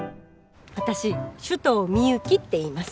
私首藤ミユキっていいます。